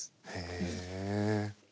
へえ。